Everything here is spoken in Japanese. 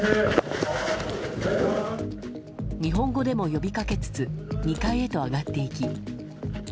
日本語で呼びかけつつ２階へと上がっていき。